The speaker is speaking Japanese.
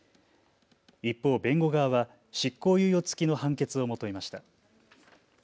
一方、弁護側は執行猶予付きの判決を求めました。